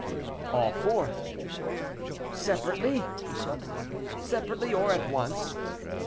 "All four." "Separately?" "Separately, or at once."